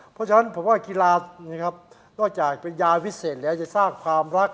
เพราะฉะนั้นผมว่ากีฬานะครับนอกจากเป็นยาพิเศษแล้วจะสร้างความรัก